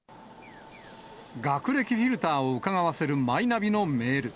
学歴フィルターをうかがわせるマイナビのメール。